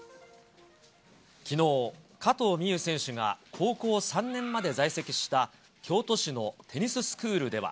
きのう、加藤未唯選手が高校３年まで在籍した京都市のテニススクールでは。